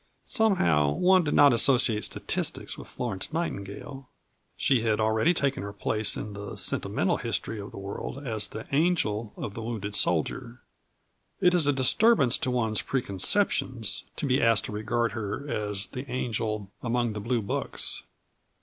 Somehow one did not associate statistics with Florence Nightingale. She had already taken her place in the sentimental history of the world as the angel of the wounded soldier. It is a disturbance to one's preconceptions to be asked to regard her as the angel among the Blue Books.